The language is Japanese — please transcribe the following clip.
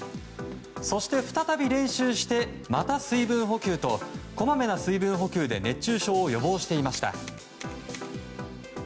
そして再び練習してまた水分補給とこまめな水分補給で熱中症を予防していました。